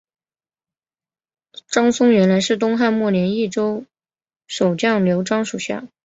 张松原来是东汉末年益州守将刘璋属下。